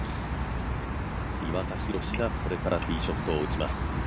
岩田寛がこれからティーショットを打ちます。